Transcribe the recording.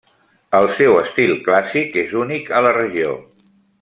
El seu estil clàssic és únic a la regió.